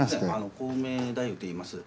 コウメ太夫といいます。